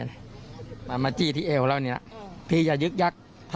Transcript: เอามาจี้ที่เอวแล้วเนี่ยพี่อย่ายึกยักษ์